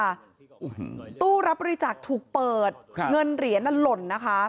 อุหึตู้รับบริจาคถูกเปิดค่ะเงินเหรียนนั่นหล่นนะคะ